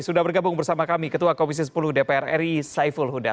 sudah bergabung bersama kami ketua komisi sepuluh dpr ri saiful huda